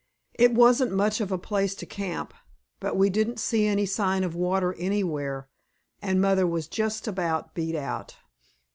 It wasn't much of a place to camp, but we didn't see any sign of water anywhere, and Mother was just about beat out.